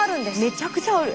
めちゃくちゃある。